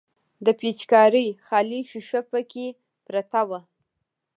د پيچکارۍ خالي ښيښه پکښې پرته وه.